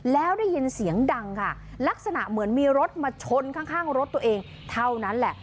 แล้วได้ยินเสียงดังค่ะลักษณะเหมือนมีรถมาชนข้างรถตัวเองเท่านั้นแหละ